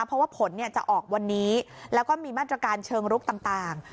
เพราะว่าผลจะออกวันนี้แล้วก็มีมาตรการเชิงลุกต่าง